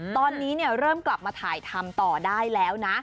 ตอนนี้เริ่มกลับมาถ่ายทำต่อได้แล้วนะ